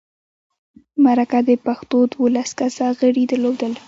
مرکه د پښتو دولس کسه غړي درلودل.